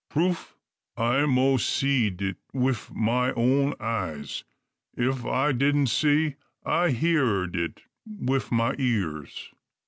"Proof! I moas seed it wif ma own eyes. If I didn't see, I heerd it wif ma ears."